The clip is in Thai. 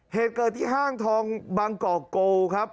เหตุเกิดที่ห้างทองบางกอกโกครับ